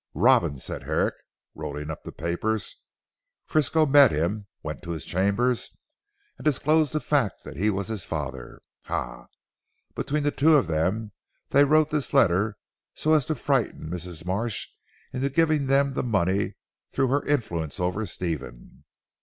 "Robin," said Herrick rolling up the papers, "Frisco met him, went to his chambers, and disclosed the fact that he was his father. Ha! Between the two of them they wrote this letter so as to frighten Mrs. Marsh into giving them the money through her influence over Stephen.